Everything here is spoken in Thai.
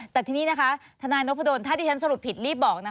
แต่ทีนี้นะคะทนายนพดลถ้าที่ฉันสรุปผิดรีบบอกนะคะ